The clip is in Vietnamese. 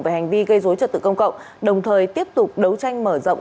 về hành vi gây dối trật tự công cộng đồng thời tiếp tục đấu tranh mở rộng